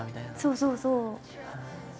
そうそうそう。